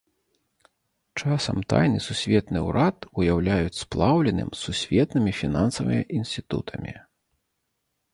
Часам тайны сусветны ўрад уяўляюць сплаўленым з сусветнымі фінансавымі інстытутамі.